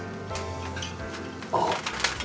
あっ。